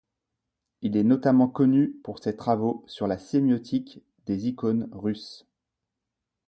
Il est notamment connu pour ses travaux sur la sémiotique des icônes russes.